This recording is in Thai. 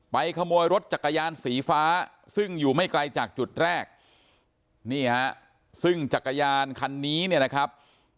ขโมยรถจักรยานสีฟ้าซึ่งอยู่ไม่ไกลจากจุดแรกนี่ฮะซึ่งจักรยานคันนี้เนี่ยนะครับ